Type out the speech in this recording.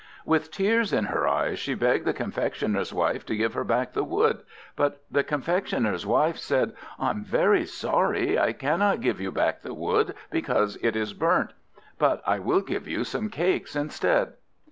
With tears in her eyes she begged the Confectioner's wife to give her back the Wood, but the Confectioner's wife said "I am very sorry I cannot give you back the Wood, because it is burnt; but I will give you some Cakes instead."